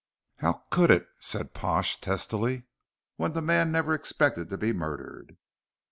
"How could it," said Pash, testily, "when the man never expected to be murdered?"